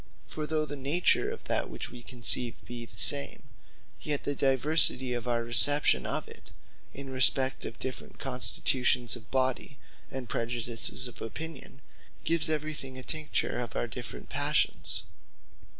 For though the nature of that we conceive, be the same; yet the diversity of our reception of it, in respect of different constitutions of body, and prejudices of opinion, gives everything a tincture of our different passions.